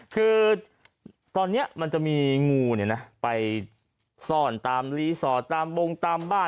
คือตอนนี้มันจะมีงูไปซ่อนตามรีสอร์ทตามบงตามบ้าน